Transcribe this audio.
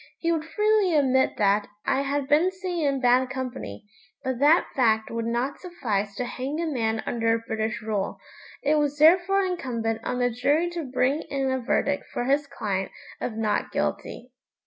He would freely admit that. I had been seen in bad company, but that fact would not suffice to hang a man under British rule. It was therefore incumbent on the jury to bring in a verdict for his client of "not guilty".'